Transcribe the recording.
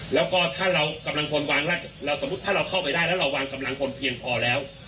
แล้วก็ถ้าเรากำลังพลวางเราสมมุติถ้าเราเข้าไปได้แล้วเราวางกำลังพลเพียงพอแล้ว